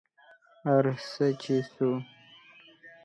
ارڅه چې څو